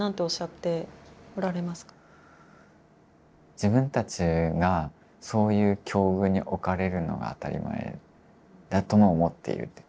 自分たちがそういう境遇に置かれるのが当たり前だと思っている。